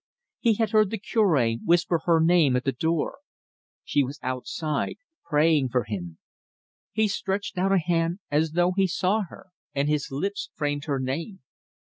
He had heard the Cure whisper her name at the door. She was outside praying for him. He stretched out a hand as though he saw her, and his lips framed her name.